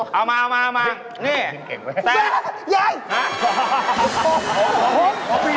เอามานี่